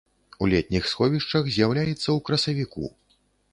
У летніх сховішчах з'яўляецца ў красавіку.